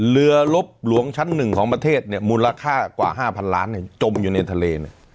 ลบหลวงชั้น๑ของประเทศเนี่ยมูลค่ากว่า๕๐๐ล้านจมอยู่ในทะเล